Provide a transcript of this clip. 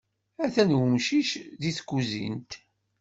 Atan umcic deg tkuzint.